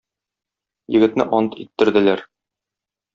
Егетне ант иттерделәр.